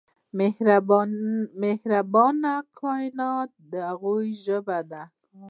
مهرباني د کائنات هغه ژبه ده.